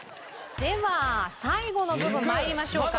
では最後の部分参りましょうか。